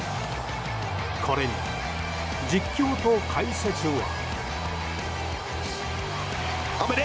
これに実況と解説は。